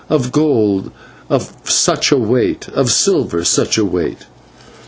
Of gold such a weight; of silver such a weight."